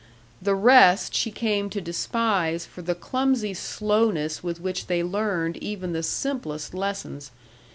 The rest she came to despise for the clumsy slowness with which they learned even the simplest lessons.